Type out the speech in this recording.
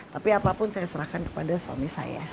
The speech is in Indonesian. tapi apapun saya serahkan kepada suami saya